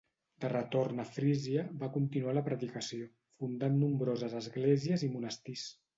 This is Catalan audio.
De retorn a Frísia, va continuar la predicació, fundant nombroses esglésies i monestirs.